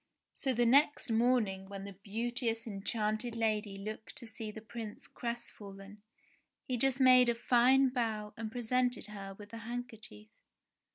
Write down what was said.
So the next morning when the beauteous enchanted lady looked to see the Prince crestfallen, he just made a fine bow and presented her with the handkerchief.